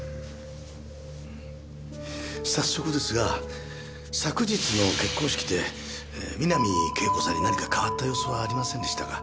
早速ですが昨日の結婚式で三波圭子さんに何か変わった様子はありませんでしたか？